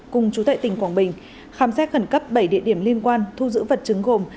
cùng chú tệ tỉnh quảng bình khám xét khẩn cấp bảy địa điểm liên quan thu giữ vật chứng gồm